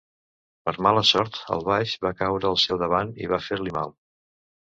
Per mala sort, el baix va caure al seu davant i va fer-li mal.